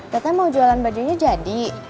katanya mau jualan bajunya jadi